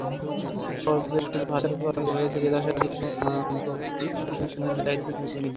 সহজ সুযোগ হাতছাড়া করায় গ্যালারি থেকে দর্শকদের দুয়োধ্বনি শোনেন জাহিদ হাসান এমিলি।